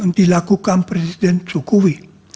yang dilakukan presiden jokowi